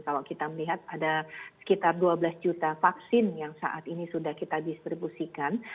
kalau kita melihat ada sekitar dua belas juta vaksin yang saat ini sudah kita distribusikan